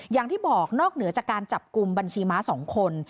อย่างที่บอกนอกเหนือจากการจับกลุ่มบัญชีม้า๒คน